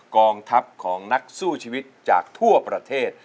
กองทัพของนักสู้ชีวิตจากทั่วประเทศ